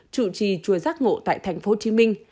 trụ trì chùa giác ngộ tại tp hcm